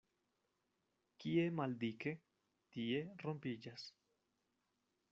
Kie maldike, tie rompiĝas.